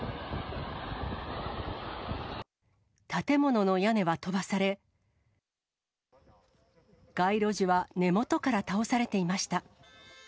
建物の屋根は飛ばされ、街路樹は根元から倒されていました。